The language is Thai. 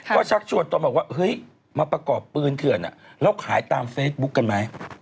ก็ชักชวนตนบอกว่าเฮ้ยมาประกอบปืนเถื่อนแล้วขายตามเฟซบุ๊คกันไหม